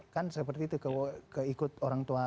kan seperti itu keikut orang tua